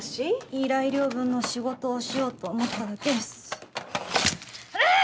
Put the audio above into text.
依頼料分の仕事をしようと思っただけですあー